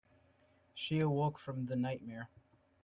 She awoke from the nightmare.